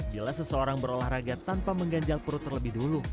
jika seseorang berolahraga tanpa mengganjal perut terlebih dahulu